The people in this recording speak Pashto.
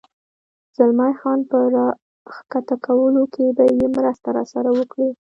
زلمی خان په را کښته کولو کې به یې مرسته راسره وکړې؟